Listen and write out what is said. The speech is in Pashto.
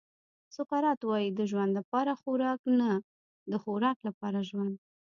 سقراط وایي د ژوند لپاره خوراک نه د خوراک لپاره ژوند.